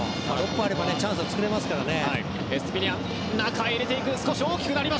６分あればチャンスは作れますからね。